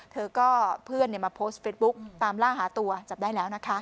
เธอก็เพื่อนมาโพสต์เฟสบุ๊กตามล่าหาตัวจับได้แล้วนะคะ